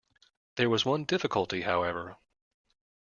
There was one difficulty, however.